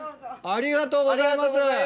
ありがとうございます。